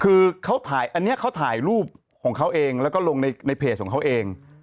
คือเขาถ่ายอันนี้เขาถ่ายรูปของเขาเองแล้วก็ลงในเพจของเขาเอง